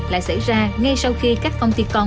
lại xảy ra ngay sau khi các công ty con